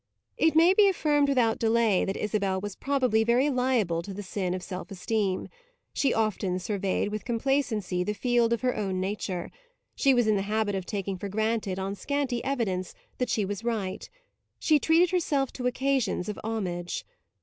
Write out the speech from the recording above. It may be affirmed without delay that Isabel was probably very liable to the sin of self esteem; she often surveyed with complacency the field of her own nature; she was in the habit of taking for granted, on scanty evidence, that she was right; she treated herself to occasions of homage.